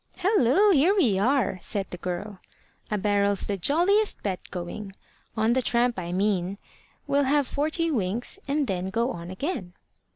"Hallo! here we are!" said the girl. "A barrel's the jolliest bed going on the tramp, I mean. We'll have forty winks, and then go on again."